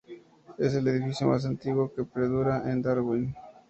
Es el edificio más antiguo que perdura de Darwin.